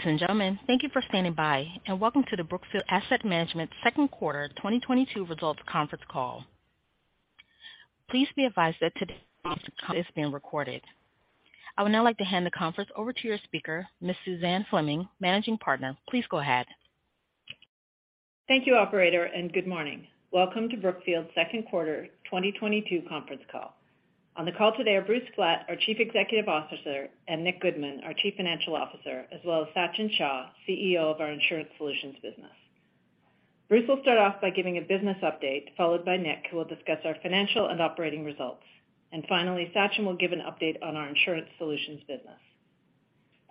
Ladies and gentlemen, thank you for standing by, and welcome to the Brookfield Asset Management second quarter 2022 results conference call. Please be advised that today's call is being recorded. I would now like to hand the conference over to your speaker, Ms. Suzanne Fleming, Managing Partner. Please go ahead. Thank you operator, and good morning. Welcome to Brookfield's second quarter 2022 conference call. On the call today are Bruce Flatt, our Chief Executive Officer, and Nick Goodman, our Chief Financial Officer, as well as Sachin Shah, CEO of our Insurance Solutions business. Bruce will start off by giving a business update, followed by Nick, who will discuss our financial and operating results. Finally, Sachin will give an update on our Insurance Solutions business.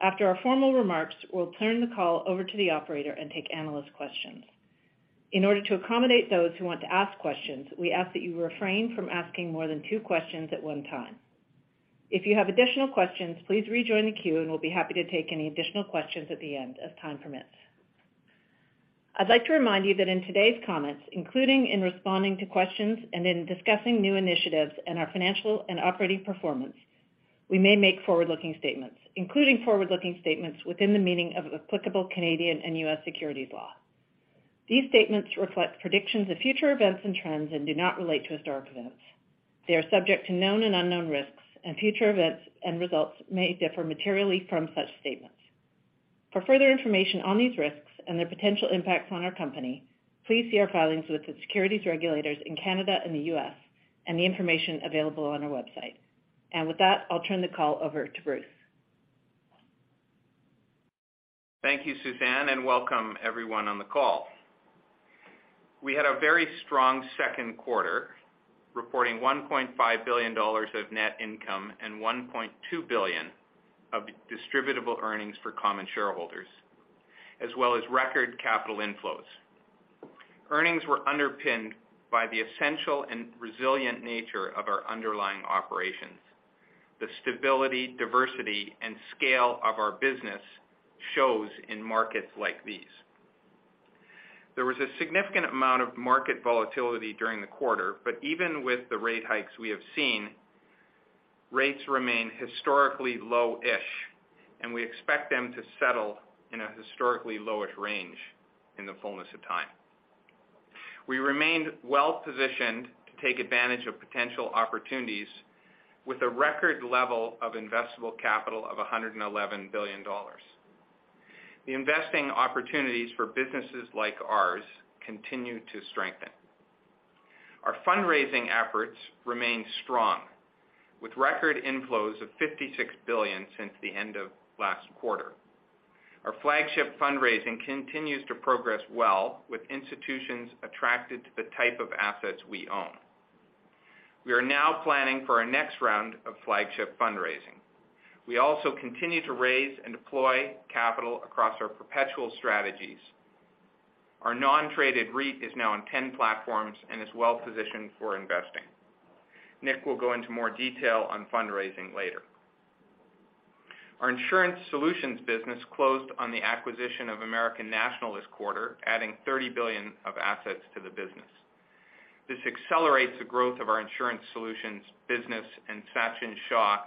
After our formal remarks, we'll turn the call over to the operator and take analyst questions. In order to accommodate those who want to ask questions, we ask that you refrain from asking more than two questions at one time. If you have additional questions, please rejoin the queue, and we'll be happy to take any additional questions at the end as time permits. I'd like to remind you that in today's comments, including in responding to questions and in discussing new initiatives and our financial and operating performance, we may make forward-looking statements, including forward-looking statements within the meaning of applicable Canadian and U.S. securities law. These statements reflect predictions of future events and trends and do not relate to historic events. They are subject to known and unknown risks, and future events and results may differ materially from such statements. For further information on these risks and their potential impact on our company, please see our filings with the securities regulators in Canada and the U.S. and the information available on our website. With that, I'll turn the call over to Bruce Flatt. Thank you, Suzanne, and welcome everyone on the call. We had a very strong second quarter, reporting $1.5 billion of net income and $1.2 billion of Distributable Earnings for common shareholders, as well as record capital inflows. Earnings were underpinned by the essential and resilient nature of our underlying operations. The stability, diversity, and scale of our business shows in markets like these. There was a significant amount of market volatility during the quarter, but even with the rate hikes we have seen, rates remain historically low-ish, and we expect them to settle in a historically low-ish range in the fullness of time. We remained well positioned to take advantage of potential opportunities with a record level of investable capital of $111 billion. The investing opportunities for businesses like ours continue to strengthen. Our fundraising efforts remain strong, with record inflows of $56 billion since the end of last quarter. Our flagship fundraising continues to progress well with institutions attracted to the type of assets we own. We are now planning for our next round of flagship fundraising. We also continue to raise and deploy capital across our perpetual strategies. Our non-traded REIT is now on 10 platforms and is well positioned for investing. Nick will go into more detail on fundraising later. Our Insurance Solutions business closed on the acquisition of American National this quarter, adding $30 billion of assets to the business. This accelerates the growth of our Insurance Solutions business, and Sachin Shah,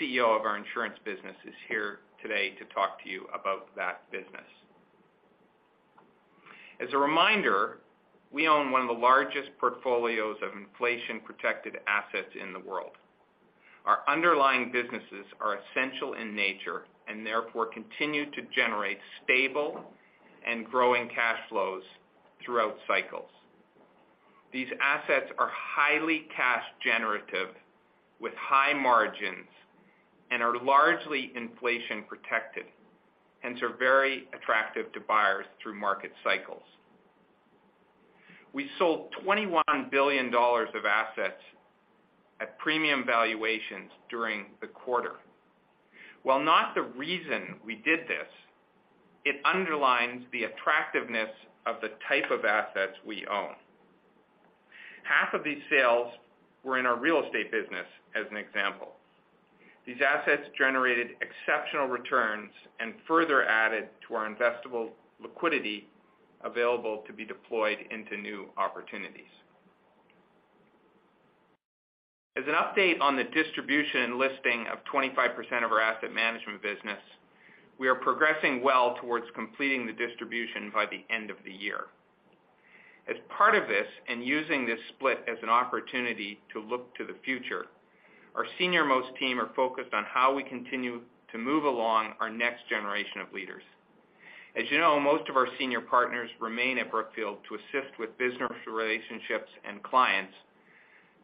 CEO of our insurance business, is here today to talk to you about that business. As a reminder, we own one of the largest portfolios of inflation-protected assets in the world. Our underlying businesses are essential in nature and therefore continue to generate stable and growing cash flows throughout cycles. These assets are highly cash generative with high margins and are largely inflation protected, hence are very attractive to buyers through market cycles. We sold $21 billion of assets at premium valuations during the quarter. While not the reason we did this, it underlines the attractiveness of the type of assets we own. Half of these sales were in our real estate business, as an example. These assets generated exceptional returns and further added to our investable liquidity available to be deployed into new opportunities. As an update on the distribution and listing of 25% of our asset management business, we are progressing well towards completing the distribution by the end of the year. As part of this and using this split as an opportunity to look to the future, our senior-most team are focused on how we continue to move along our next generation of leaders. As you know, most of our senior partners remain at Brookfield to assist with business relationships and clients,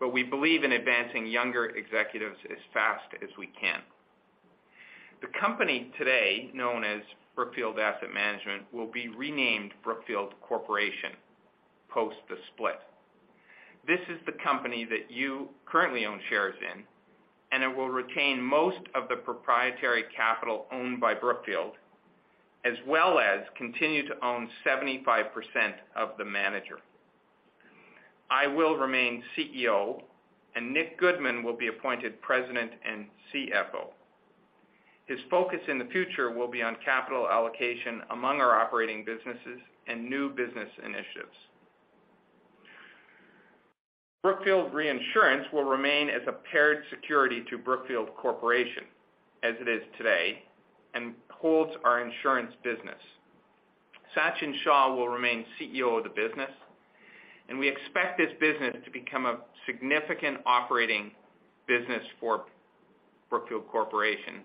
but we believe in advancing younger executives as fast as we can. The company today known as Brookfield Asset Management will be renamed Brookfield Corporation post the split. This is the company that you currently own shares in, and it will retain most of the proprietary capital owned by Brookfield, as well as continue to own 75% of the manager. I will remain CEO, and Nick Goodman will be appointed President and CFO. His focus in the future will be on capital allocation among our operating businesses and new business initiatives. Brookfield Reinsurance will remain as a paired security to Brookfield Corporation as it is today, and holds our insurance business. Sachin Shah will remain CEO of the business, and we expect this business to become a significant operating business for Brookfield Corporation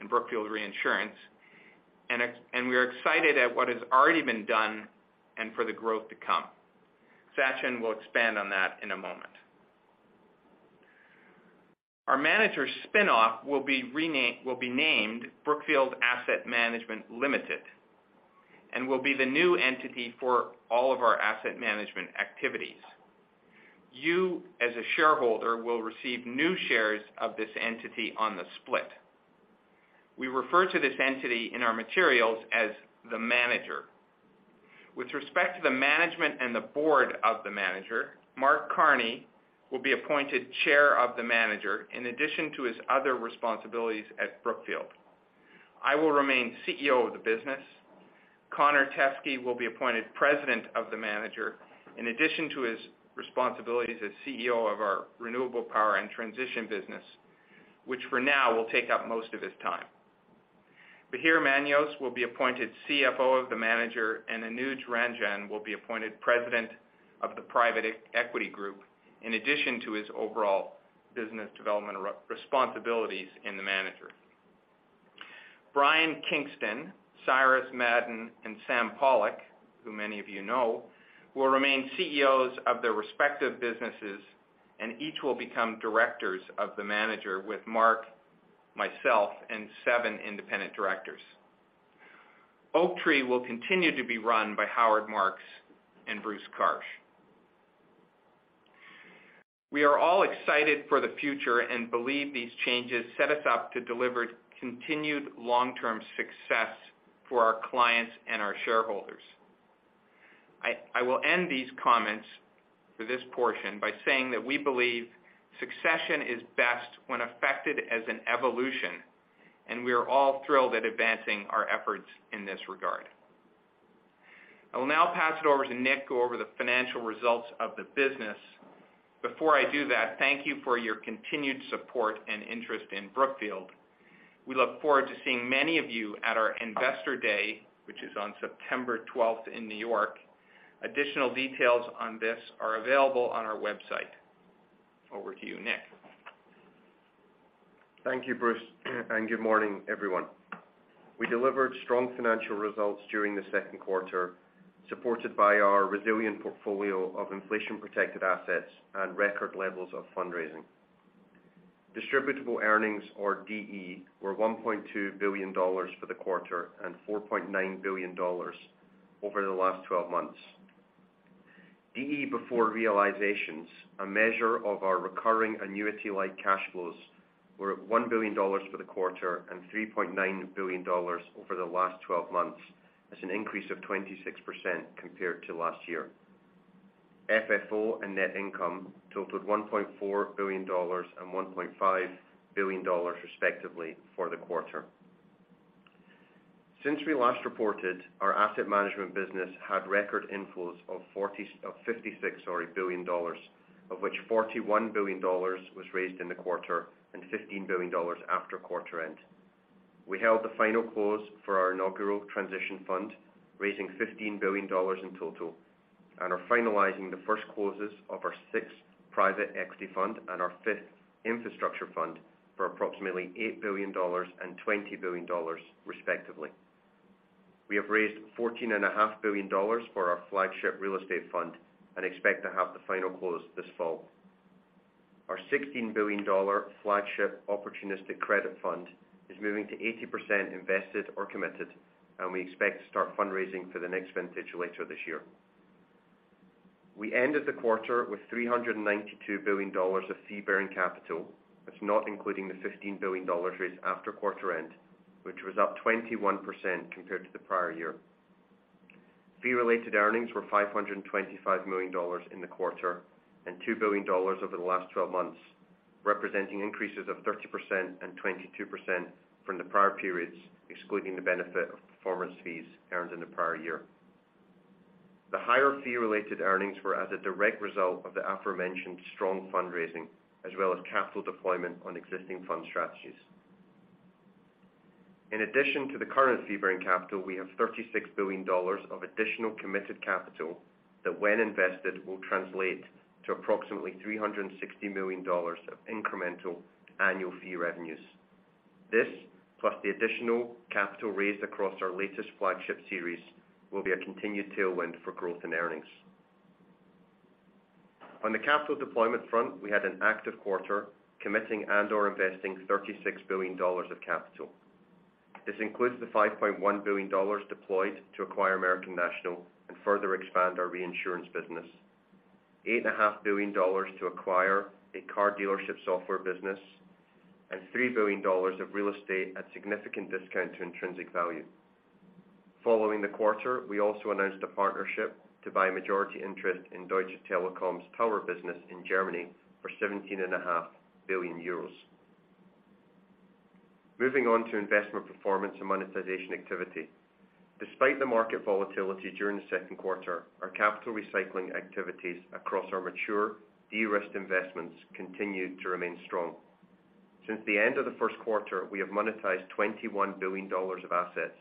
and Brookfield Reinsurance. We are excited at what has already been done and for the growth to come. Sachin Shah will expand on that in a moment. Our manager spinoff will be named Brookfield Asset Management Limited, and will be the new entity for all of our asset management activities. You, as a shareholder, will receive new shares of this entity on the split. We refer to this entity in our materials as the manager. With respect to the management and the board of the manager, Mark Carney will be appointed Chair of the manager in addition to his other responsibilities at Brookfield. I will remain CEO of the business. Connor Teskey will be appointed President of the manager in addition to his responsibilities as CEO of our renewable power and transition business, which for now will take up most of his time. Bahir Manios will be appointed CFO of the manager, and Anuj Ranjan will be appointed President of the private equity group in addition to his overall business development responsibilities in the manager. Brian Kingston, Cyrus Madon, and Sam Pollock, who many of you know, will remain CEOs of their respective businesses, and each will become directors of the manager with Mark, myself, and seven independent directors. Oaktree will continue to be run by Howard Marks and Bruce Karsh. We are all excited for the future and believe these changes set us up to deliver continued long-term success for our clients and our shareholders. I will end these comments for this portion by saying that we believe succession is best when effected as an evolution, and we are all thrilled at advancing our efforts in this regard. I will now pass it over to Nick to go over the financial results of the business. Before I do that, thank you for your continued support and interest in Brookfield. We look forward to seeing many of you at our Investor Day, which is on September twelfth in New York. Additional details on this are available on our website. Over to you, Nick. Thank you, Bruce, and good morning, everyone. We delivered strong financial results during the second quarter, supported by our resilient portfolio of inflation-protected assets and record levels of fundraising. Distributable earnings, or DE, were $1.2 billion for the quarter and $4.9 billion over the last twelve months. DE before realizations, a measure of our recurring annuity-like cash flows, were at $1 billion for the quarter and $3.9 billion over the last twelve months. That's an increase of 26% compared to last year. FFO and net income totaled $1.4 billion and $1.5 billion, respectively, for the quarter. Since we last reported, our asset management business had record inflows of fifty-six, sorry, billion dollars, of which $41 billion was raised in the quarter and $15 billion after quarter end. We held the final close for our inaugural transition fund, raising $15 billion in total, and are finalizing the first closes of our sixth private equity fund and our fifth infrastructure fund for approximately $8 billion and $20 billion, respectively. We have raised $14 and a half billion dollars for our flagship real estate fund and expect to have the final close this fall. Our $16 billion flagship opportunistic credit fund is moving to 80% invested or committed, and we expect to start fundraising for the next vintage later this year. We ended the quarter with $392 billion of fee-bearing capital. That's not including the $15 billion raised after quarter end, which was up 21% compared to the prior year. Fee-related earnings were $525 million in the quarter and $2 billion over the last twelve months, representing increases of 30% and 22% from the prior periods, excluding the benefit of performance fees earned in the prior year. The higher fee-related earnings were as a direct result of the aforementioned strong fundraising, as well as capital deployment on existing fund strategies. In addition to the current fee-bearing capital, we have $36 billion of additional committed capital that, when invested, will translate to approximately $360 million of incremental annual fee revenues. This, plus the additional capital raised across our latest flagship series, will be a continued tailwind for growth and earnings. On the capital deployment front, we had an active quarter, committing and/or investing $36 billion of capital. This includes the $5.1 billion deployed to acquire American National and further expand our reinsurance business. $8.5 billion to acquire a car dealership software business, and $3 billion of real estate at significant discount to intrinsic value. Following the quarter, we also announced a partnership to buy majority interest in Deutsche Telekom's tower business in Germany for 17.5 billion euros. Moving on to investment performance and monetization activity. Despite the market volatility during the second quarter, our capital recycling activities across our mature de-risked investments continued to remain strong. Since the end of the first quarter, we have monetized $21 billion of assets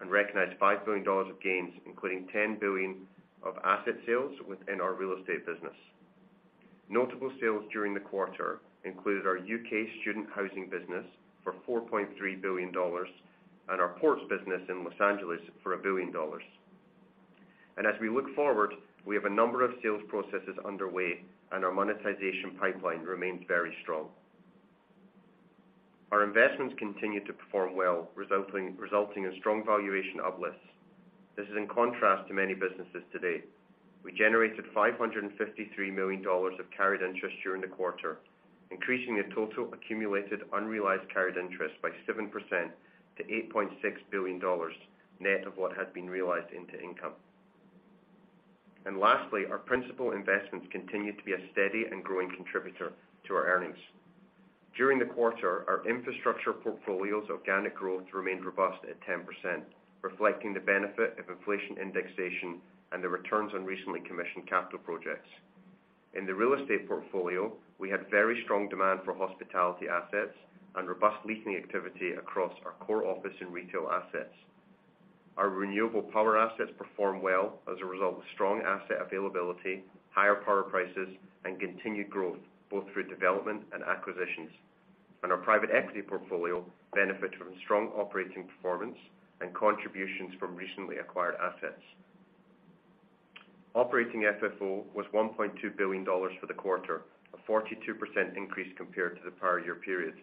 and recognized $5 billion of gains, including $10 billion of asset sales within our real estate business. Notable sales during the quarter included our UK student housing business for $4.3 billion and our ports business in Los Angeles for $1 billion. As we look forward, we have a number of sales processes underway and our monetization pipeline remains very strong. Our investments continued to perform well, resulting in strong valuation uplifts. This is in contrast to many businesses today. We generated $553 million of carried interest during the quarter, increasing the total accumulated unrealized carried interest by 7% to $8.6 billion, net of what had been realized into income. Lastly, our principal investments continued to be a steady and growing contributor to our earnings. During the quarter, our infrastructure portfolio's organic growth remained robust at 10%, reflecting the benefit of inflation indexation and the returns on recently commissioned capital projects. In the real estate portfolio, we had very strong demand for hospitality assets and robust leasing activity across our core office and retail assets. Our renewable power assets performed well as a result of strong asset availability, higher power prices, and continued growth both through development and acquisitions. Our private equity portfolio benefited from strong operating performance and contributions from recently acquired assets. Operating FFO was $1.2 billion for the quarter, a 42% increase compared to the prior year period.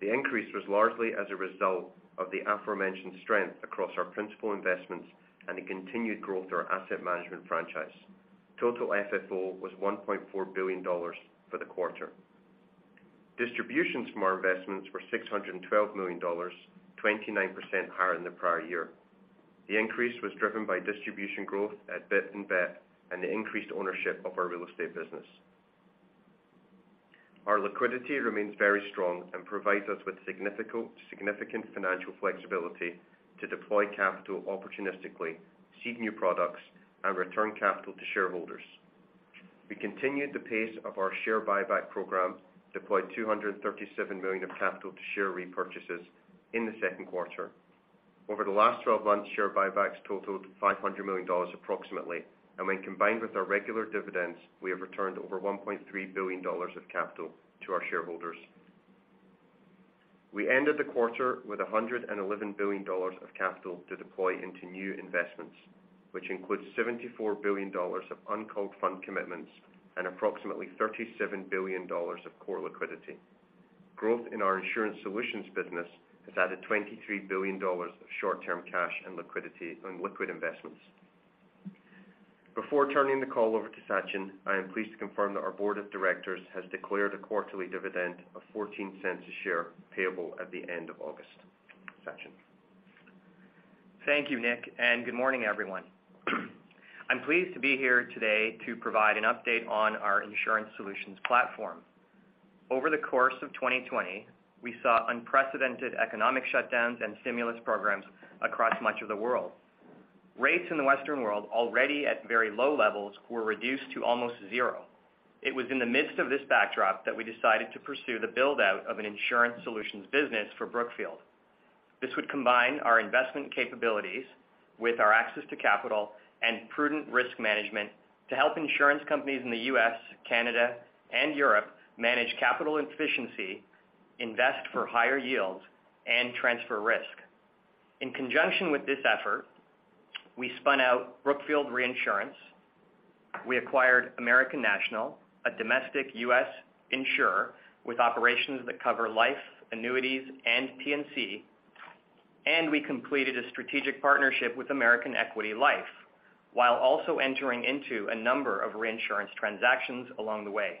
The increase was largely as a result of the aforementioned strength across our principal investments and the continued growth of our asset management franchise. Total FFO was $1.4 billion for the quarter. Distributions from our investments were $612 million, 29% higher than the prior year. The increase was driven by distribution growth at BIP and BEP and the increased ownership of our real estate business. Our liquidity remains very strong and provides us with significant financial flexibility to deploy capital opportunistically, seek new products, and return capital to shareholders. We continued the pace of our share buyback program, deployed $237 million of capital to share repurchases in the second quarter. Over the last twelve months, share buybacks totaled approximately $500 million, and when combined with our regular dividends, we have returned over $1.3 billion of capital to our shareholders. We ended the quarter with $111 billion of capital to deploy into new investments, which includes $74 billion of uncalled fund commitments and approximately $37 billion of core liquidity. Growth in our Insurance Solutions business has added $23 billion of short-term cash and liquidity on liquid investments. Before turning the call over to Sachin, I am pleased to confirm that our board of directors has declared a quarterly dividend of $0.14 a share payable at the end of August. Sachin. Thank you, Nick, and good morning, everyone. I'm pleased to be here today to provide an update on our insurance solutions platform. Over the course of 2020, we saw unprecedented economic shutdowns and stimulus programs across much of the world. Rates in the Western world, already at very low levels, were reduced to almost zero. It was in the midst of this backdrop that we decided to pursue the build-out of an insurance solutions business for Brookfield. This would combine our investment capabilities with our access to capital and prudent risk management to help insurance companies in the U.S., Canada, and Europe manage capital efficiency, invest for higher yields, and transfer risk. In conjunction with this effort, we spun out Brookfield Reinsurance. We acquired American National, a domestic U.S. insurer with operations that cover life, annuities, and P&C. We completed a strategic partnership with American Equity Life, while also entering into a number of reinsurance transactions along the way.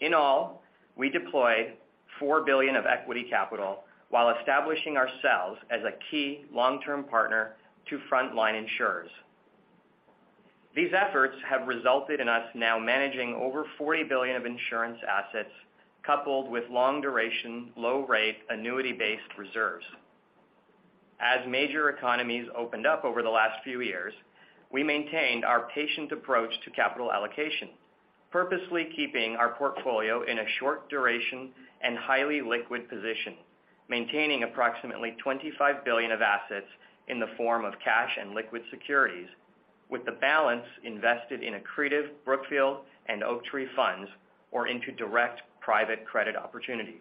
In all, we deployed $4 billion of equity capital while establishing ourselves as a key long-term partner to frontline insurers. These efforts have resulted in us now managing over $40 billion of insurance assets coupled with long-duration, low-rate, annuity-based reserves. As major economies opened up over the last few years, we maintained our patient approach to capital allocation, purposely keeping our portfolio in a short duration and highly liquid position, maintaining approximately $25 billion of assets in the form of cash and liquid securities, with the balance invested in accretive Brookfield and Oaktree funds or into direct private credit opportunities.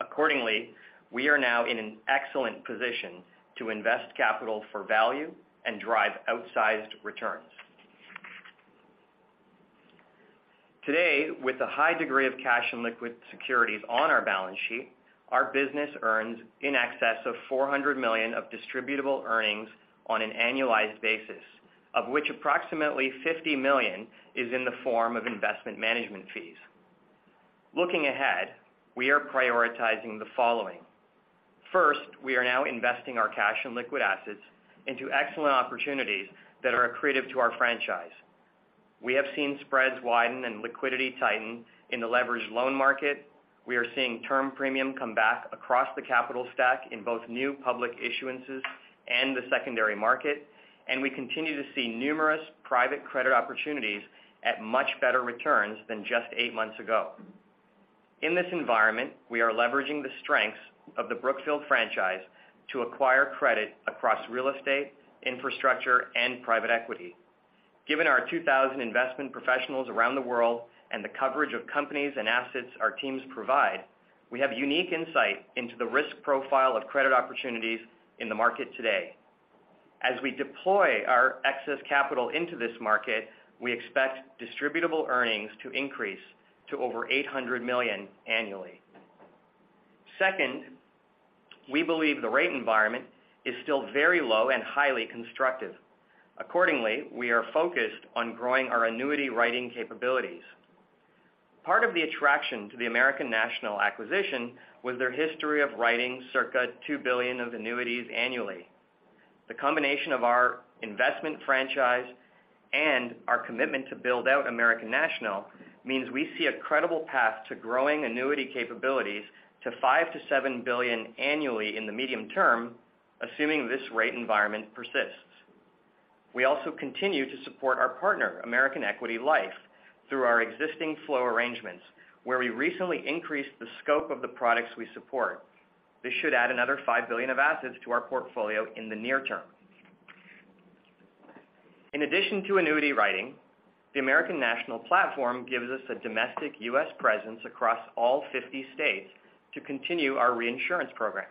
Accordingly, we are now in an excellent position to invest capital for value and drive outsized returns. Today, with a high degree of cash and liquid securities on our balance sheet, our business earns in excess of $400 million of distributable earnings on an annualized basis, of which approximately $50 million is in the form of investment management fees. Looking ahead, we are prioritizing the following. First, we are now investing our cash and liquid assets into excellent opportunities that are accretive to our franchise. We have seen spreads widen and liquidity tighten in the leveraged loan market. We are seeing term premium come back across the capital stack in both new public issuances and the secondary market. We continue to see numerous private credit opportunities at much better returns than just eight months ago. In this environment, we are leveraging the strengths of the Brookfield franchise to acquire credit across real estate, infrastructure, and private equity. Given our 2,000 investment professionals around the world and the coverage of companies and assets our teams provide, we have unique insight into the risk profile of credit opportunities in the market today. As we deploy our excess capital into this market, we expect Distributable Earnings to increase to over $800 million annually. Second, we believe the rate environment is still very low and highly constructive. Accordingly, we are focused on growing our annuity writing capabilities. Part of the attraction to the American National acquisition was their history of writing circa $2 billion of annuities annually. The combination of our investment franchise and our commitment to build out American National means we see a credible path to growing annuity capabilities to $5 billion-$7 billion annually in the medium term, assuming this rate environment persists. We also continue to support our partner, American Equity Life, through our existing flow arrangements, where we recently increased the scope of the products we support. This should add another $5 billion of assets to our portfolio in the near term. In addition to annuity writing, the American National platform gives us a domestic U.S. presence across all 50 states to continue our reinsurance program.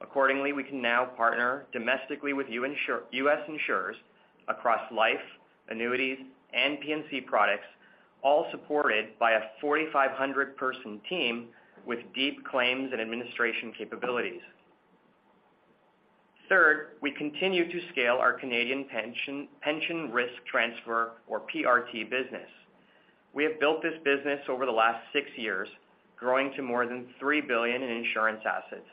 Accordingly, we can now partner domestically with U.S. insurers across life, annuities, and P&C products, all supported by a 4,500-person team with deep claims and administration capabilities. Third, we continue to scale our Canadian pension risk transfer or PRT business. We have built this business over the last six years, growing to more than $3 billion in insurance assets.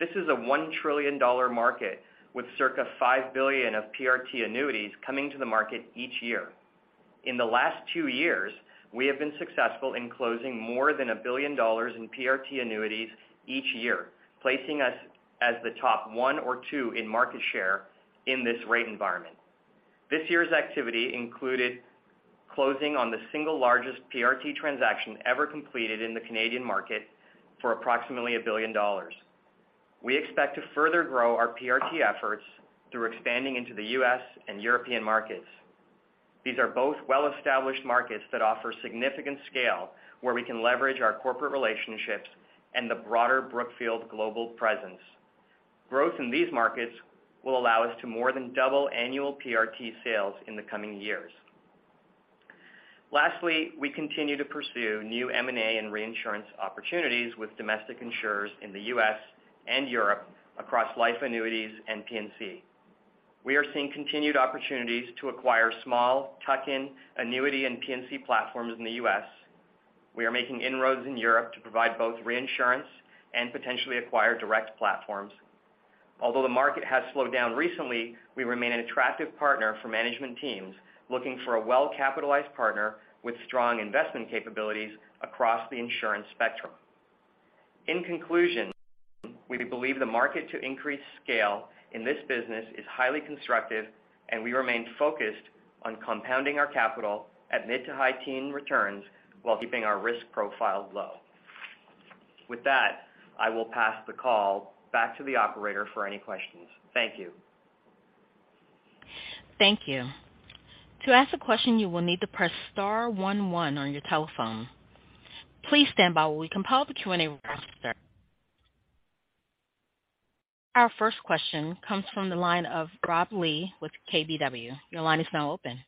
This is a $1 trillion market with circa $5 billion of PRT annuities coming to the market each year. In the last two years, we have been successful in closing more than $1 billion in PRT annuities each year, placing us as the top one or two in market share in this rate environment. This year's activity included closing on the single largest PRT transaction ever completed in the Canadian market for approximately $1 billion. We expect to further grow our PRT efforts through expanding into the U.S. and European markets. These are both well-established markets that offer significant scale, where we can leverage our corporate relationships and the broader Brookfield global presence. Growth in these markets will allow us to more than double annual PRT sales in the coming years. Lastly, we continue to pursue new M&A and reinsurance opportunities with domestic insurers in the U.S. and Europe across life annuities and P&C. We are seeing continued opportunities to acquire small tuck-in annuity and P&C platforms in the U.S. We are making inroads in Europe to provide both reinsurance and potentially acquire direct platforms. Although the market has slowed down recently, we remain an attractive partner for management teams looking for a well-capitalized partner with strong investment capabilities across the insurance spectrum. In conclusion, we believe the market to increase scale in this business is highly constructive, and we remain focused on compounding our capital at mid- to high-teen returns while keeping our risk profile low. With that, I will pass the call back to the operator for any questions. Thank you. Thank you. To ask a question, you will need to press star one one on your telephone. Please stand by while we compile the Q&A roster. Our first question comes from the line of Rob Lee with KBW. Your line is now open.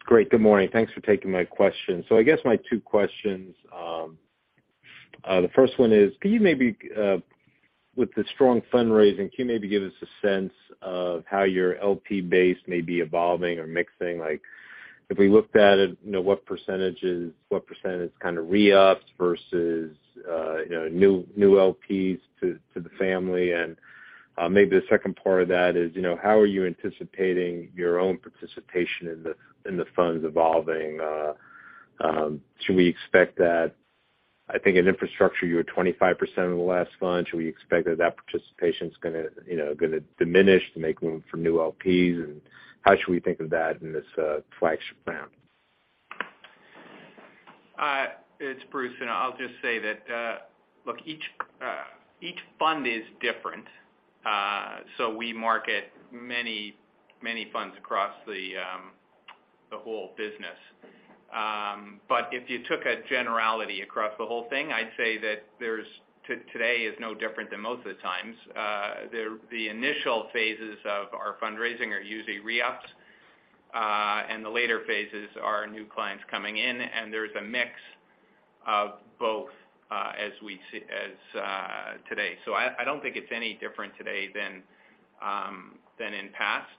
Great, good morning. Thanks for taking my question. I guess my two questions, the first one is, could you maybe, with the strong fundraising, can you maybe give us a sense of how your LP base may be evolving or mixing? Like, if we looked at it, you know, what percentage is, what percent is kind of re-ups versus, you know, new LPs to the family? And, maybe the second part of that is, you know, how are you anticipating your own participation in the funds evolving? Should we expect that, I think in infrastructure, you were 25% of the last fund. Should we expect that participation is gonna diminish to make room for new LPs? And how should we think of that in this flagship round? It's Bruce, and I'll just say that, look, each fund is different. We market many funds across the whole business. If you took a generality across the whole thing, I'd say that today is no different than most of the times. The initial phases of our fundraising are usually re-ups, and the later phases are new clients coming in, and there's a mix of both, as today. I don't think it's any different today than in past.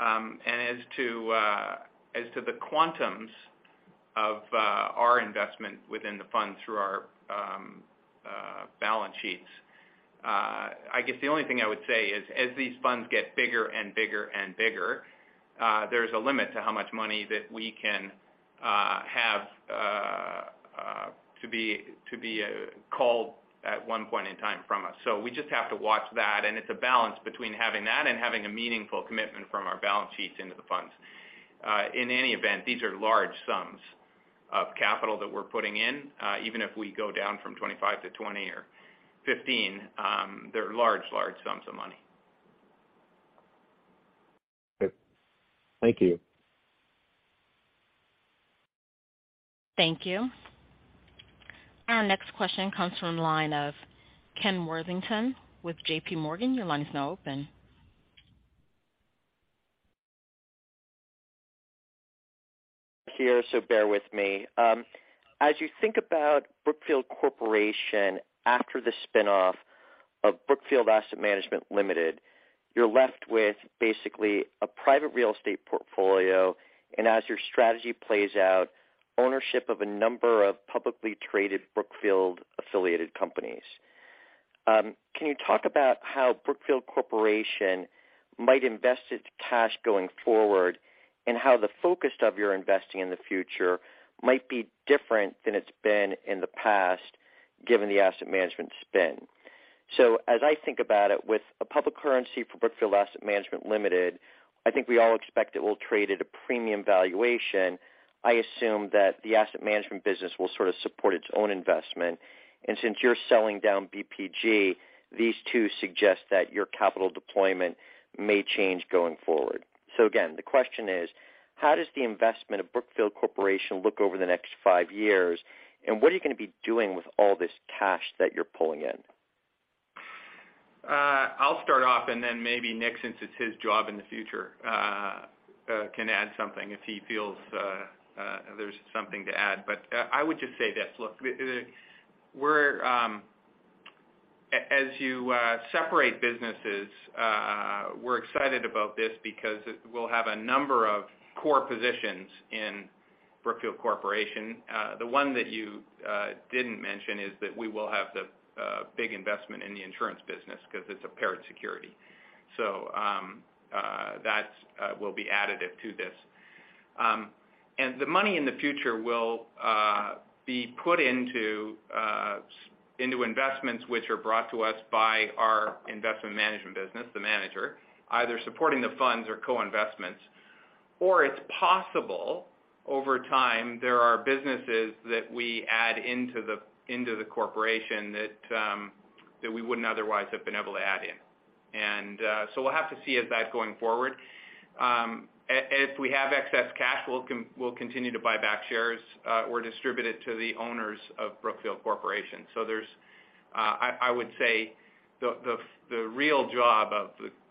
As to the quantum of our investment within the fund through our balance sheets, I guess the only thing I would say is as these funds get bigger and bigger, there's a limit to how much money that we can have to be called at one point in time from us. We just have to watch that. It's a balance between having that and having a meaningful commitment from our balance sheets into the funds. In any event, these are large sums of capital that we're putting in. Even if we go down from 25-20 or 15, they're large sums of money. Okay. Thank you. Thank you. Our next question comes from the line of Ken Worthington with JPMorgan. Your line is now open. Here, bear with me. As you think about Brookfield Corporation after the spin-off of Brookfield Asset Management Ltd., you're left with basically a private real estate portfolio. As your strategy plays out, ownership of a number of publicly traded Brookfield-affiliated companies. Can you talk about how Brookfield Corporation might invest its cash going forward and how the focus of your investing in the future might be different than it's been in the past, given the asset management spin. As I think about it, with a public currency for Brookfield Asset Management Ltd., I think we all expect it will trade at a premium valuation. I assume that the asset management business will sort of support its own investment. Since you're selling down BPG, these two suggest that your capital deployment may change going forward. Again, the question is, how does the investment of Brookfield Corporation look over the next five years, and what are you gonna be doing with all this cash that you're pulling in? I'll start off, and then maybe Nick, since it's his job in the future, can add something if he feels there's something to add. I would just say this. Look, we're as separate businesses, we're excited about this because it will have a number of core positions in Brookfield Corporation. The one that you didn't mention is that we will have the big investment in the insurance business because it's a paired security. That will be additive to this. The money in the future will be put into investments which are brought to us by our investment management business, the manager, either supporting the funds or co-investments. It's possible over time, there are businesses that we add into the corporation that we wouldn't otherwise have been able to add in. We'll have to see how that goes going forward. If we have excess cash, we'll continue to buy back shares or distribute it to the owners of Brookfield Corporation. I would say the real job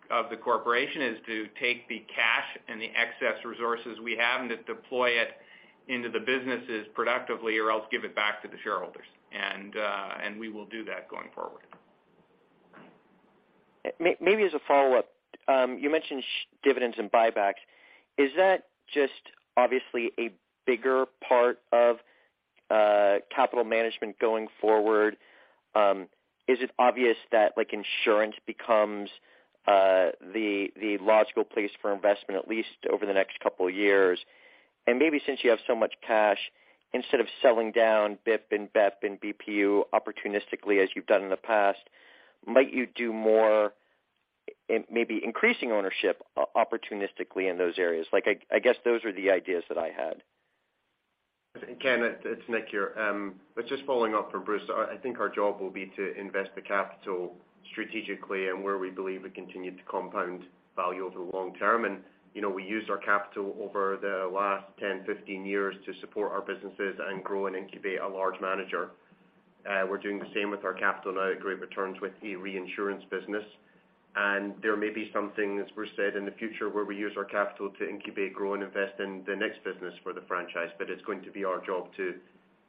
of the corporation is to take the cash and the excess resources we have and to deploy it into the businesses productively or else give it back to the shareholders. We will do that going forward. Maybe as a follow-up. You mentioned dividends and buybacks. Is that just obviously a bigger part of capital management going forward? Is it obvious that like insurance becomes the logical place for investment, at least over the next couple of years? Maybe since you have so much cash, instead of selling down BIP and BEP and BBU opportunistically as you've done in the past, might you do more in maybe increasing ownership opportunistically in those areas? Like, I guess those are the ideas that I had. Ken, it's Nick here. But just following up for Bruce. I think our job will be to invest the capital strategically and where we believe we continue to compound value over the long term. You know, we used our capital over the last 10-15 years to support our businesses and grow and incubate a large manager. We're doing the same with our capital now at great returns with the reinsurance business. There may be some things, as Bruce said, in the future where we use our capital to incubate, grow, and invest in the next business for the franchise. It's going to be our job to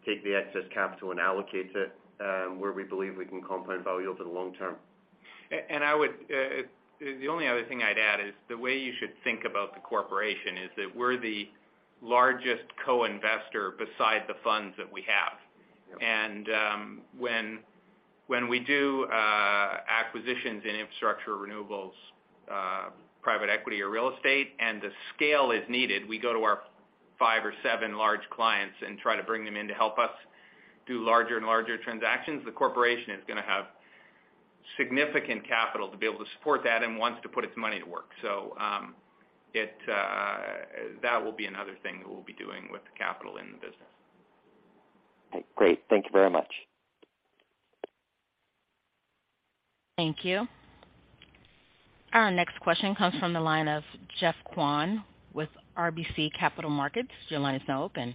take the excess capital and allocate it where we believe we can compound value over the long term. I would, the only other thing I'd add is the way you should think about the corporation is that we're the largest co-investor beside the funds that we have. Yeah. When we do acquisitions in infrastructure, renewables, private equity or real estate and the scale is needed, we go to our five or seven large clients and try to bring them in to help us do larger and larger transactions. The corporation is gonna have significant capital to be able to support that and wants to put its money to work. That will be another thing that we'll be doing with the capital in the business. Great. Thank you very much. Thank you. Our next question comes from the line of Geoffrey Kwan with RBC Capital Markets. Your line is now open.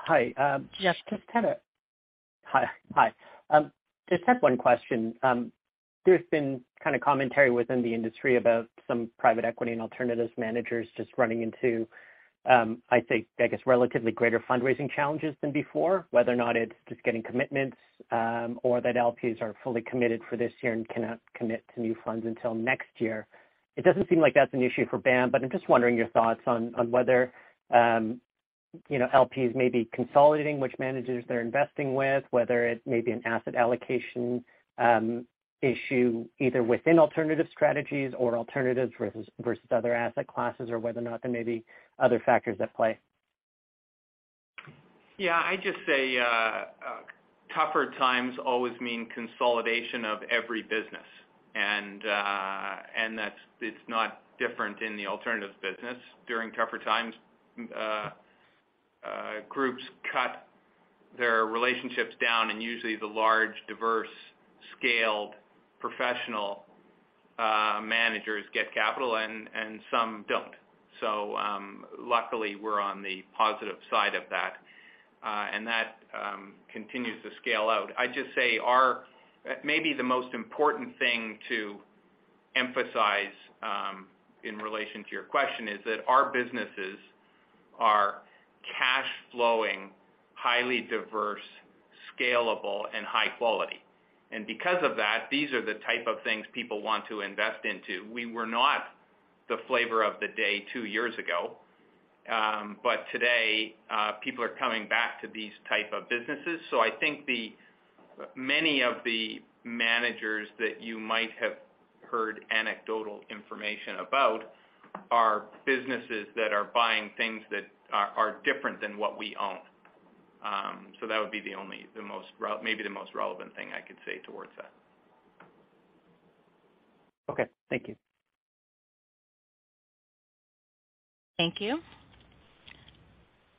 Hi. Jeff. I just had one question. There's been kind of commentary within the industry about some private equity and alternatives managers just running into, I think, I guess, relatively greater fundraising challenges than before, whether or not it's just getting commitments, or that LPs are fully committed for this year and cannot commit to new funds until next year. It doesn't seem like that's an issue for BAM, but I'm just wondering your thoughts on whether, you know, LPs may be consolidating which managers they're investing with, whether it may be an asset allocation issue either within alternative strategies or alternatives versus other asset classes, or whether or not there may be other factors at play. Yeah, I just say, tougher times always mean consolidation of every business. It's not different in the alternatives business during tougher times. Groups cut their relationships down, and usually the large, diverse, scaled professional managers get capital and some don't. Luckily, we're on the positive side of that. That continues to scale out. I just say, maybe the most important thing to emphasize, in relation to your question, is that our businesses are cash flowing, highly diverse, scalable, and high quality. Because of that, these are the type of things people want to invest into. We were not the flavor of the day two years ago. Today, people are coming back to these type of businesses. I think many of the managers that you might have heard anecdotal information about are businesses that are buying things that are different than what we own. That would be the most relevant thing I could say towards that. Okay. Thank you. Thank you.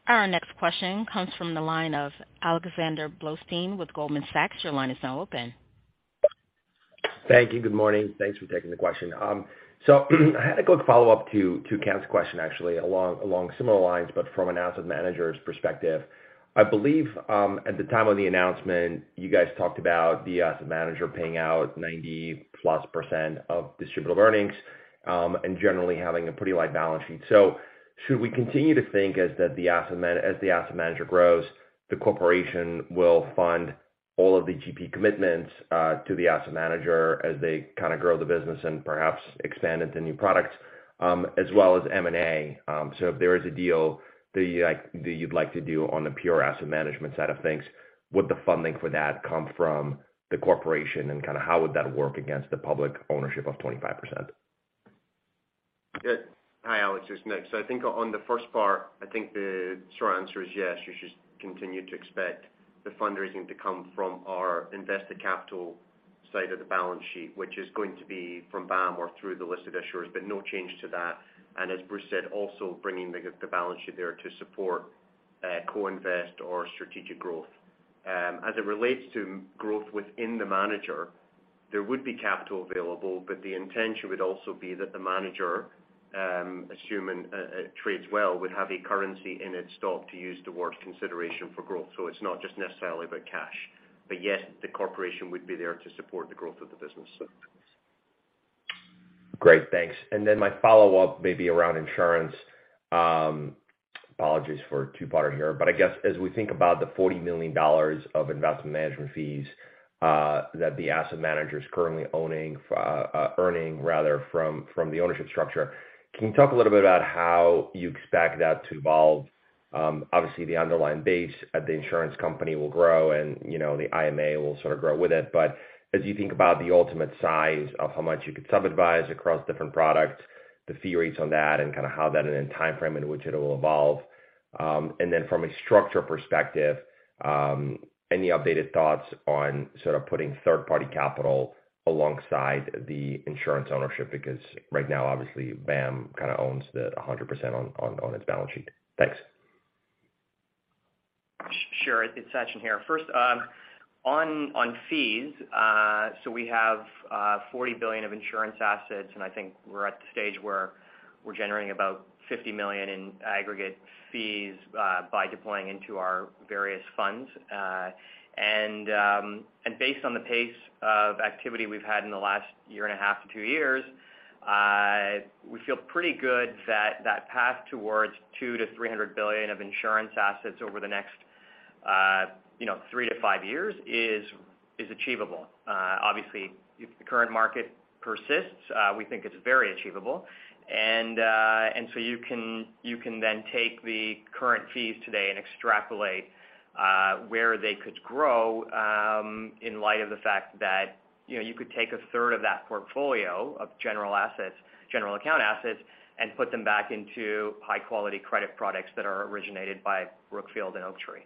Our next question comes from the line of Alexander Blostein with Goldman Sachs. Your line is now open. Thank you. Good morning. Thanks for taking the question. I had a quick follow-up to Ken's question, actually, along similar lines, but from an asset manager's perspective. I believe, at the time of the announcement, you guys talked about the asset manager paying out 90%+ of distributable earnings, and generally having a pretty light balance sheet. Should we continue to think that as the asset manager grows, the corporation will fund all of the GP commitments to the asset manager as they kind of grow the business and perhaps expand into new products, as well as M&A? If there is a deal that you'd like to do on the pure asset management side of things, would the funding for that come from the corporation, and kind of how would that work against the public ownership of 25%? Good. Hi, Alex, it's Nick. I think on the first part, I think the short answer is yes. You should continue to expect the fundraising to come from our invested capital side of the balance sheet, which is going to be from BAM or through the listed issuers, but no change to that. As Bruce said, also bringing the balance sheet there to support co-invest or strategic growth. As it relates to growth within the manager, there would be capital available, but the intention would also be that the manager, assuming trades well, would have a currency in its stock to use towards consideration for growth. It's not just necessarily about cash. Yes, the corporation would be there to support the growth of the business. Great. Thanks. My follow-up may be around insurance. Apologies for a two-parter here. I guess as we think about the $40 million of investment management fees that the asset manager is currently earning rather from the ownership structure, can you talk a little bit about how you expect that to evolve? Obviously the underlying base of the insurance company will grow and, you know, the IMA will sort of grow with it. As you think about the ultimate size of how much you could sub-advise across different products, the fee rates on that and kind of how that in a timeframe in which it will evolve. From a structure perspective, any updated thoughts on sort of putting third-party capital alongside the insurance ownership? Because right now, obviously BAM kind of owns a 100% on its balance sheet. Thanks. Sure. It's Sachin here. First, on fees. We have $40 billion of insurance assets, and I think we're at the stage where we're generating about $50 million in aggregate fees by deploying into our various funds. Based on the pace of activity we've had in the last year and a half to two years, we feel pretty good that that path towards $200-$300 billion of insurance assets over the next, you know, 3-5 years is achievable. Obviously, if the current market persists, we think it's very achievable. You can then take the current fees today and extrapolate where they could grow in light of the fact that, you know, you could take a third of that portfolio of general assets, general account assets, and put them back into high-quality credit products that are originated by Brookfield and Oaktree.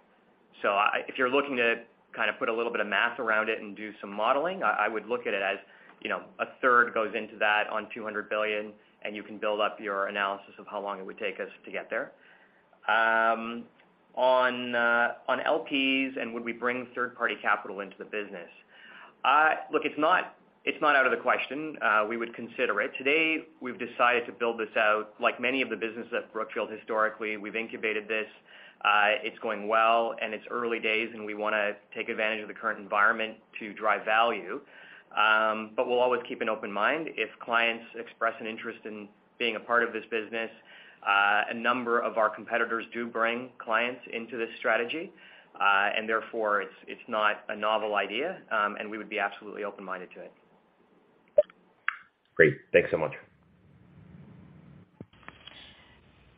If you're looking to kind of put a little bit of math around it and do some modeling, I would look at it as, you know, a third goes into that on $200 billion, and you can build up your analysis of how long it would take us to get there. On LPs and would we bring third-party capital into the business. Look, it's not out of the question. We would consider it. Today, we've decided to build this out like many of the businesses at Brookfield historically. We've incubated this. It's going well and it's early days, and we wanna take advantage of the current environment to drive value. We'll always keep an open mind if clients express an interest in being a part of this business. A number of our competitors do bring clients into this strategy, and therefore it's not a novel idea, and we would be absolutely open-minded to it. Great. Thanks so much.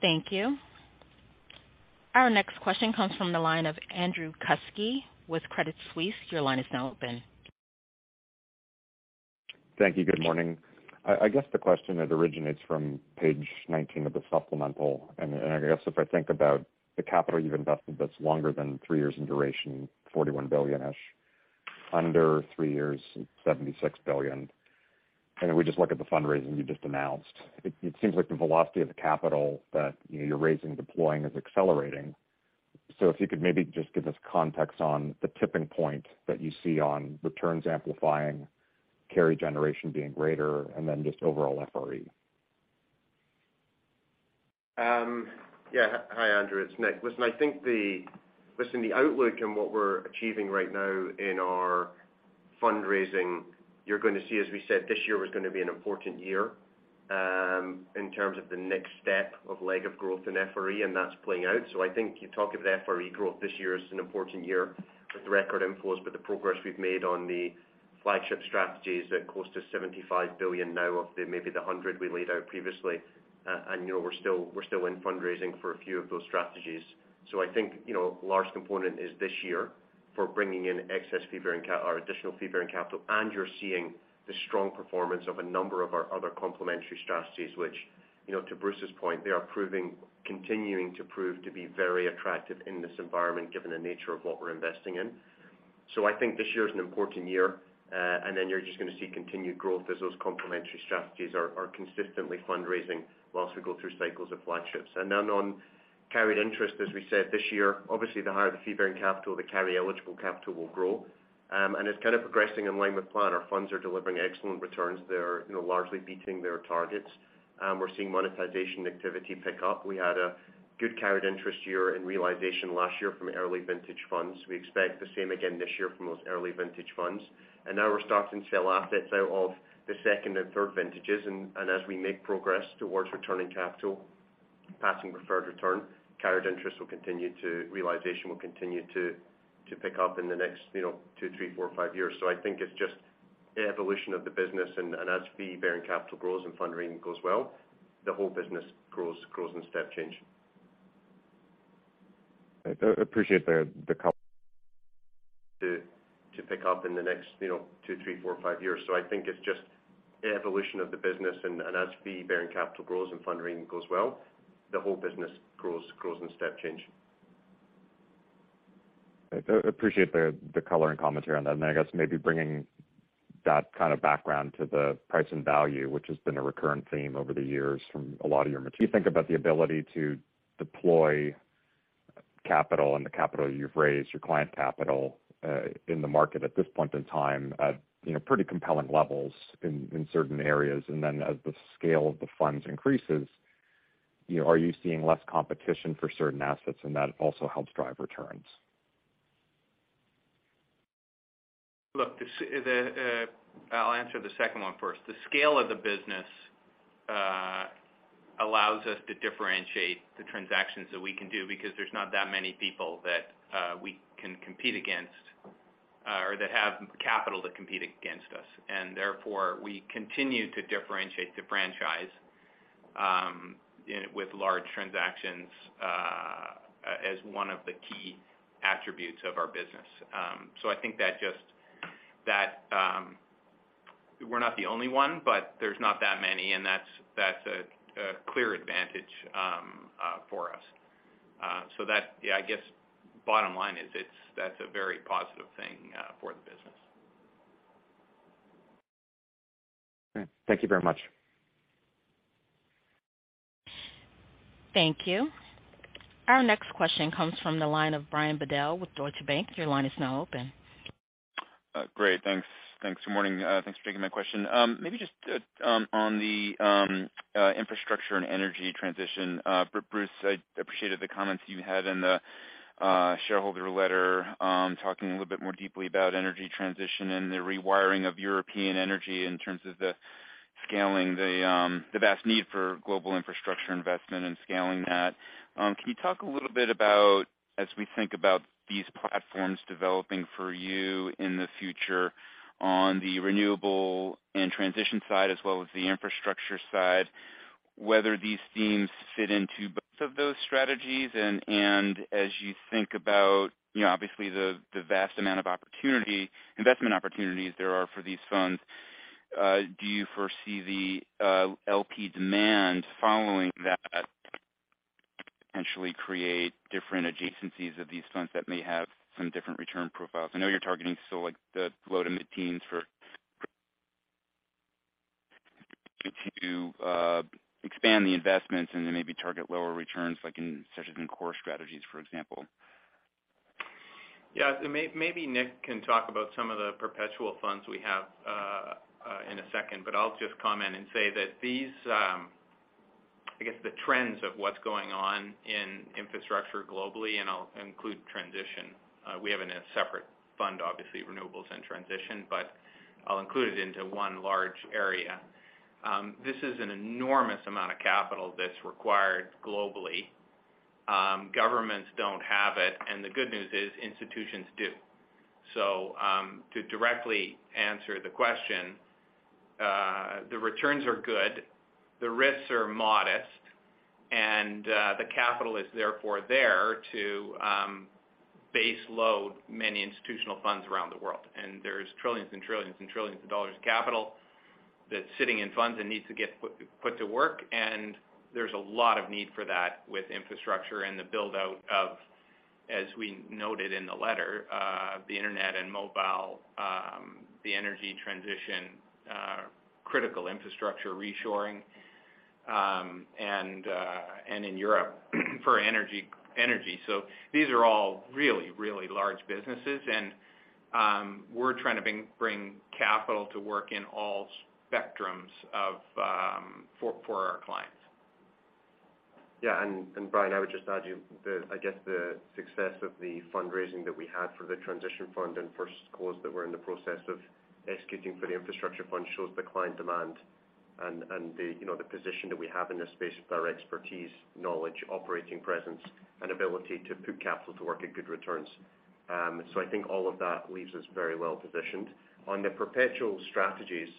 Thank you. Our next question comes from the line of Andrew Kuske with Credit Suisse. Your line is now open. Thank you. Good morning. I guess the question that originates from page 19 of the supplemental, and I guess if I think about the capital you've invested that's longer than three years in duration, $41 billion-ish, under three years, it's $76 billion. I know, if we just look at the fundraising you just announced. It seems like the velocity of the capital that, you know, you're raising, deploying is accelerating. If you could maybe just give us context on the tipping point that you see on returns amplifying, carry generation being greater, and then just overall FRE. Hi, Andrew. It's Nick. Listen, I think the outlook and what we're achieving right now in our fundraising, you're gonna see, as we said, this year was gonna be an important year in terms of the next leg of growth in FRE, and that's playing out. I think you talk about FRE growth, this year is an important year with record inflows, but the progress we've made on the flagship strategies at close to $75 billion now of the maybe $100 we laid out previously. You know, we're still in fundraising for a few of those strategies. I think, you know, a large component is this year for bringing in excess fee-bearing or additional fee-bearing capital, and you're seeing the strong performance of a number of our other complementary strategies, which, you know, to Bruce's point, they are continuing to prove to be very attractive in this environment given the nature of what we're investing in. I think this year is an important year. You're just gonna see continued growth as those complementary strategies are consistently fundraising while we go through cycles of flagships. On carried interest, as we said this year, obviously the higher the fee-bearing capital, the carry-eligible capital will grow. It's kind of progressing in line with plan. Our funds are delivering excellent returns. They're, you know, largely beating their targets. We're seeing monetization activity pick up. We had a good carried interest year in realization last year from early vintage funds. We expect the same again this year from those early vintage funds. As we make progress towards returning capital, passing preferred return, realization will continue to pick up in the next, you know, two, three, four, five years. I think it's just evolution of the business. As fee-bearing capital grows and fundraising goes well, the whole business grows in step change. I appreciate the color and commentary on that. I guess maybe bringing that kind of background to the price and value, which has been a recurrent theme over the years from a lot of your mates. Do you think about the ability to deploy capital and the capital you've raised, your client capital, in the market at this point in time at, you know, pretty compelling levels in certain areas? As the scale of the funds increases, you know, are you seeing less competition for certain assets and that also helps drive returns? Look, I'll answer the second one first. The scale of the business allows us to differentiate the transactions that we can do because there's not that many people that we can compete against or that have capital to compete against us. Therefore, we continue to differentiate the franchise in it with large transactions as one of the key attributes of our business. I think that just that we're not the only one, but there's not that many and that's a clear advantage for us. Yeah, I guess bottom line is that's a very positive thing for the business. Okay. Thank you very much. Thank you. Our next question comes from the line of Brian Bedell with Deutsche Bank. Your line is now open. Great. Thanks. Good morning. Thanks for taking my question. Maybe just on the infrastructure and energy transition. Bruce, I appreciated the comments you had in the shareholder letter, talking a little bit more deeply about energy transition and the rewiring of European energy in terms of scaling the vast need for global infrastructure investment and scaling that. Can you talk a little bit about as we think about these platforms developing for you in the future on the renewable and transition side as well as the infrastructure side, whether these themes fit into both of those strategies? As you think about, you know, obviously the vast amount of investment opportunities there are for these funds, do you foresee the LP demand following that potentially create different adjacencies of these funds that may have some different return profiles? I know you're targeting still like the low- to mid-teens for to expand the investments and then maybe target lower returns like in, such as in core strategies, for example. Yeah. Maybe Nick Goodman can talk about some of the perpetual funds we have in a second, but I'll just comment and say that these, I guess, the trends of what's going on in infrastructure globally, and I'll include transition. We have a separate fund, obviously renewables and transition, but I'll include it into one large area. This is an enormous amount of capital that's required globally. Governments don't have it, and the good news is institutions do. To directly answer the question, the returns are good, the risks are modest, and the capital is therefore there to base load many institutional funds around the world. There's trillions and trillions and trillions of dollars of capital that's sitting in funds and needs to get put to work. There's a lot of need for that with infrastructure and the build-out of, as we noted in the letter, the internet and mobile, the energy transition, critical infrastructure reshoring, and in Europe for energy. These are all really large businesses. We're trying to bring capital to work in all spectrums of for our clients. Brian, I would just add to that. I guess the success of the fundraising that we had for the transition fund and first close that we're in the process of executing for the infrastructure fund shows the client demand and the position that we have in this space with our expertise, knowledge, operating presence, and ability to put capital to work at good returns. I think all of that leaves us very well positioned. On the perpetual strategies,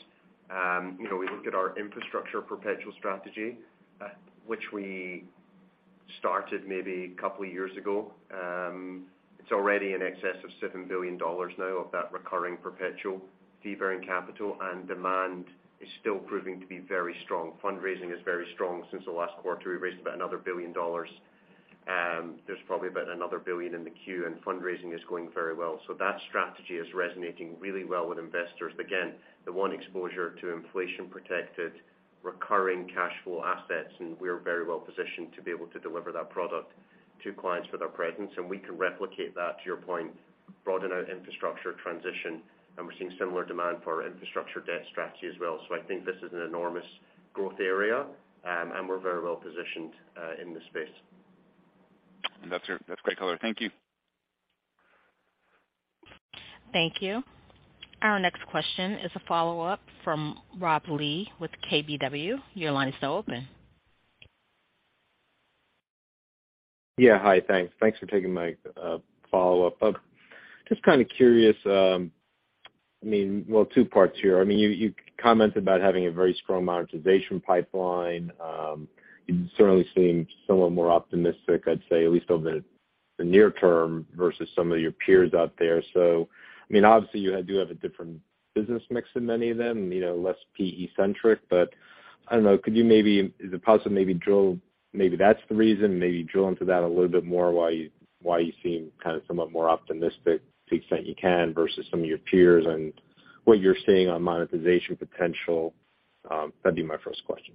we look at our infrastructure perpetual strategy, which we started maybe a couple of years ago. It's already in excess of $7 billion now of that recurring perpetual fee-bearing capital. Demand is still proving to be very strong. Fundraising is very strong. Since the last quarter, we've raised about another $1 billion. There's probably about another $1 billion in the queue, and fundraising is going very well. That strategy is resonating really well with investors. Again, the one exposure to inflation protected recurring cash flow assets, and we're very well positioned to be able to deliver that product to clients with our presence. We can replicate that, to your point, broaden out infrastructure transition, and we're seeing similar demand for our infrastructure debt strategy as well. I think this is an enormous growth area, and we're very well positioned in this space. That's great color. Thank you. Thank you. Our next question is a follow-up from Rob Lee with KBW. Your line is now open. Yeah. Hi. Thanks. Thanks for taking my follow-up. I'm just kind of curious, I mean, well, two parts here. I mean, you commented about having a very strong monetization pipeline. You certainly seem somewhat more optimistic, I'd say, at least over the near term versus some of your peers out there. I mean, obviously you do have a different business mix than many of them, you know, less PE centric, but I don't know, could you maybe drill into that a little bit more, why you seem kind of somewhat more optimistic to the extent you can versus some of your peers and what you're seeing on monetization potential? That'd be my first question.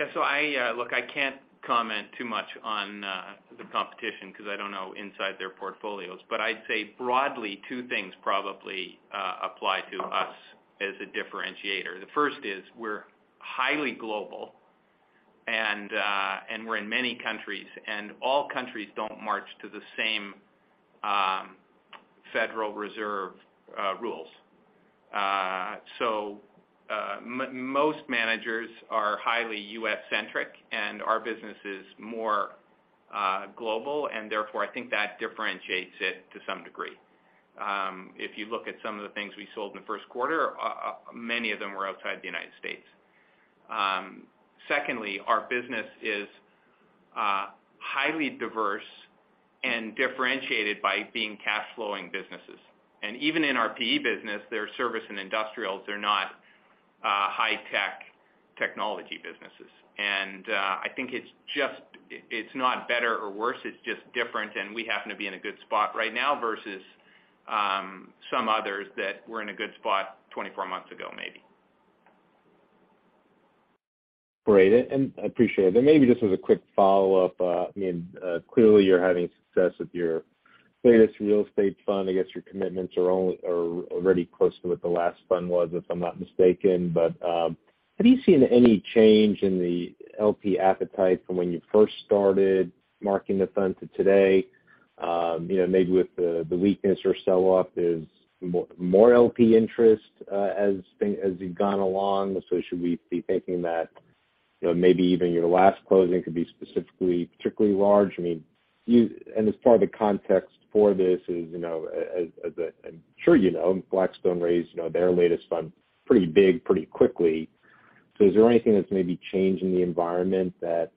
Yeah. I look, I can't comment too much on the competition because I don't know inside their portfolios. I'd say broadly two things probably apply to us as a differentiator. The first is we're highly global and we're in many countries, and all countries don't march to the same Federal Reserve rules. Most managers are highly U.S. centric, and our business is more global, and therefore I think that differentiates it to some degree. If you look at some of the things we sold in the first quarter, many of them were outside the United States. Secondly, our business is highly diverse and differentiated by being cash flowing businesses. Even in our PE business, their service and industrials are not high tech technology businesses. I think it's just, it's not better or worse, it's just different. We happen to be in a good spot right now versus some others that were in a good spot 24 months ago, maybe. Great, I appreciate it. Maybe just as a quick follow-up, I mean, clearly you're having success with your latest real estate fund. I guess your commitments are already close to what the last fund was, if I'm not mistaken. Have you seen any change in the LP appetite from when you first started marketing the fund to today? You know, maybe with the weakness or sell-off, is more LP interest as you've gone along? Should we be thinking that, you know, maybe even your last closing could be specifically particularly large? I mean, and as part of the context for this is, you know, as, I'm sure you know, Blackstone raised, you know, their latest fund pretty big pretty quickly. Is there anything that's maybe changed in the environment that,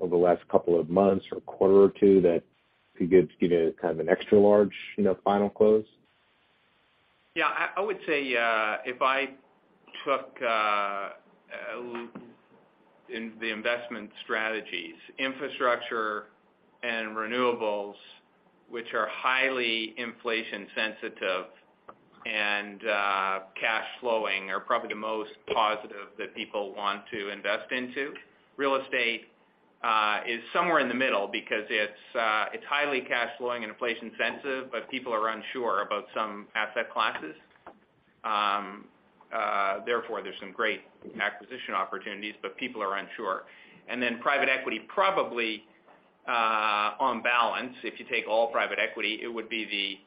over the last couple of months or quarter or two that could give, you know, kind of an extra large, you know, final close? Yeah. I would say in the investment strategies, infrastructure and renewables. Which are highly inflation sensitive and cash flowing are probably the most positive that people want to invest into. Real estate is somewhere in the middle because it's highly cash flowing and inflation sensitive, but people are unsure about some asset classes. Therefore, there's some great acquisition opportunities, but people are unsure. Then private equity probably on balance, if you take all private equity, it would be the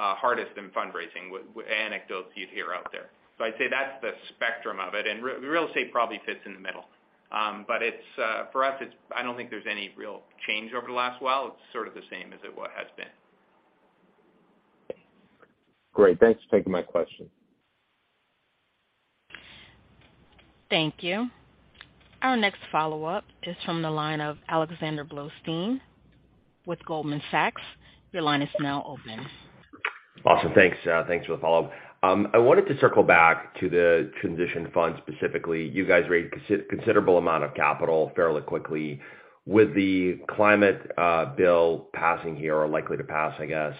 hardest in fundraising with anecdotes you'd hear out there. I'd say that's the spectrum of it, and real estate probably fits in the middle. It's for us. I don't think there's any real change over the last while. It's sort of the same as it what has been. Great. Thanks for taking my question. Thank you. Our next follow-up is from the line of Alexander Blostein with Goldman Sachs. Your line is now open. Awesome. Thanks. Thanks for the follow-up. I wanted to circle back to the transition fund specifically. You guys raised considerable amount of capital fairly quickly. With the climate bill passing here or likely to pass, I guess,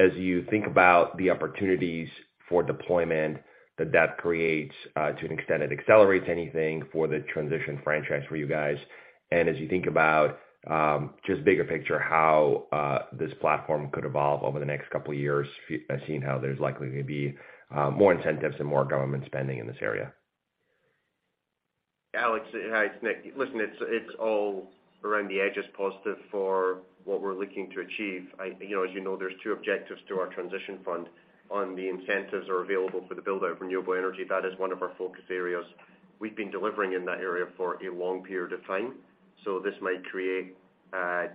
as you think about the opportunities for deployment that creates, to an extent it accelerates anything for the transition franchise for you guys. As you think about just bigger picture, how this platform could evolve over the next couple of years as seeing how there's likely gonna be more incentives and more government spending in this area. Alex, hi, it's Nick. Listen, it's all around the edges, positive for what we're looking to achieve. You know, as you know, there's two objectives to our transition fund. One, the incentives are available for the build-out of renewable energy, that is one of our focus areas. We've been delivering in that area for a long period of time, so this might create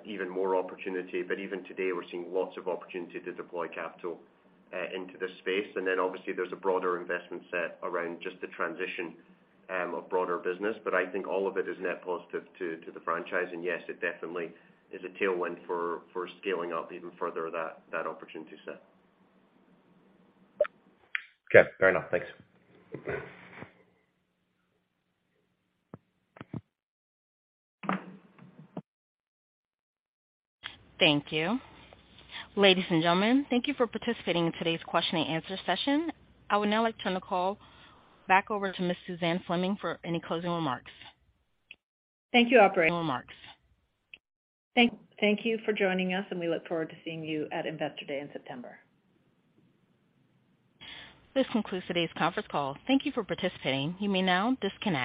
even more opportunity. Even today we're seeing lots of opportunity to deploy capital into this space. Then obviously there's a broader investment set around just the transition of broader business. I think all of it is net positive to the franchise. Yes, it definitely is a tailwind for scaling up even further that opportunity set. Okay. Fair enough. Thanks. Thank you. Ladies and gentlemen, thank you for participating in today's question and answer session. I would now like to turn the call back over to Ms. Suzanne Fleming for any closing remarks. Thank you, operator. Thank you for joining us, and we look forward to seeing you at Investor Day in September. This concludes today's conference call. Thank you for participating. You may now disconnect.